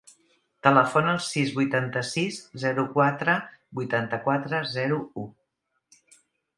Telefona al sis, vuitanta-sis, zero, quatre, vuitanta-quatre, zero, u.